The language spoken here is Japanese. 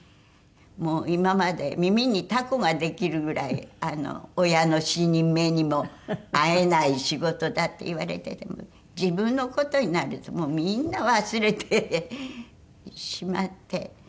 もう今まで耳にタコができるぐらい親の死に目にも会えない仕事だっていわれてても自分の事になるともうみんな忘れてしまって。